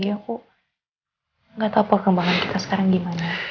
aku nggak tahu perkembangan kita sekarang gimana